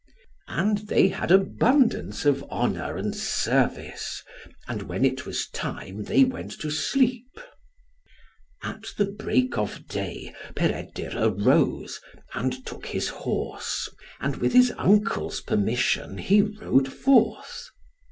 And they had abundance of honour and service. And when it was time, they went to sleep. At the break of day, Peredur arose, and took his horse, and with his uncle's permission, he rode forth.